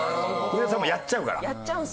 上田さんもやっちゃうから。